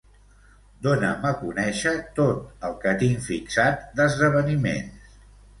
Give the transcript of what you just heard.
Dona'm a conèixer tot el que tinc fixat d'esdeveniments.